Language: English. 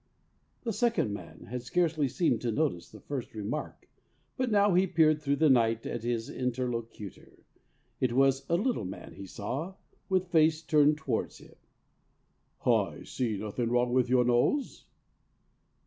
The second man had scarcely seemed to notice the first remark, but now he peered through the night at his interlocutor. It was a little man he saw, with face turned towards him. "I see nothing wrong with your nose."